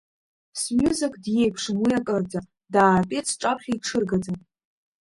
Сҩызак диеиԥшын уи акырӡа, даатәеит сҿаԥхьа иҽыргаӡа.